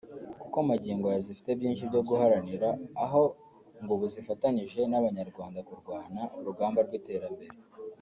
kuko magingo aya zifite byinshi byo guharanira aho ngo ubu zifatanyije n’Abanyarwanda kurwana urugamba rw’iterambere